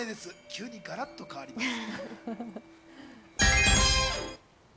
急にガラッと変わります。